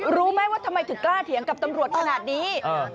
รู้ไหมว่าทำไมถึงกล้าเถียงกับตำรวจขนาดนี้